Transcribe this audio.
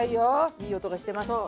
いい音がしてます。